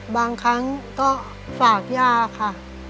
บางครั้งก็ฝากย่าค่ะ